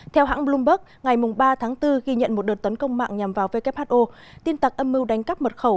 theo hãng bloomberg ngày ba tháng bốn ghi nhận một đợt tấn công mạng nhằm vào who tin tặc âm mưu đánh cắp mật khẩu